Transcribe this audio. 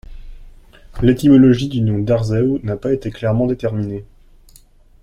L'étymologie du nom d'Arzew n'a pas été clairement déterminée.